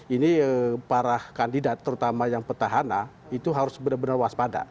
ini para kandidat terutama yang petahana itu harus benar benar waspada